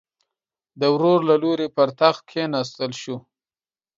د ورور له لوري پر تخت کېناستل شو.